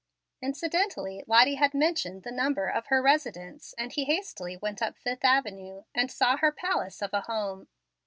Incidentally, Lottie had mentioned the number of her residence, and he hastily went up Fifth Avenue, and saw her palace of a home.